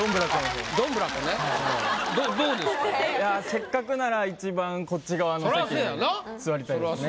せっかくなら一番こっち側の席に座りたいですね。